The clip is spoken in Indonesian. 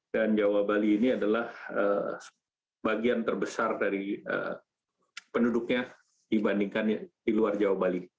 dan jawa bali ini adalah bagian terbesar dari penduduknya dibandingkan di luar jawa bali